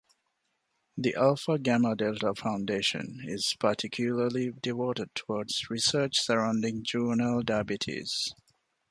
The Alpha Gamma Delta Foundation is particularly devoted towards research surrounding Juvenile Diabetes.